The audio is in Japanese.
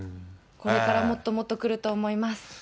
これからもっともっとくると思います。